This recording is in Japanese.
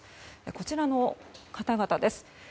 こちらの方々です。